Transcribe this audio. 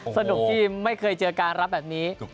สนุกที่ไม่เคยเจอการรับแบบนี้